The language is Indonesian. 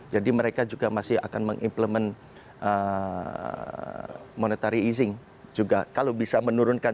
jadi mereka juga masih akan mengimplement monetary easing juga kalau bisa menurunkan